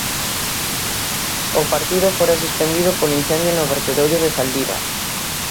O partido fora suspendido polo incendio no vertedoiro de Zaldíbar.